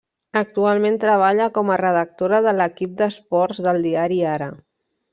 Actualment treballa com a redactora de l'equip d'esports del diari Ara.